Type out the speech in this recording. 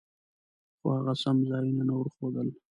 خو هغه سم ځایونه نه ورښودل.